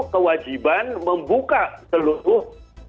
kewajiban membuka seluruh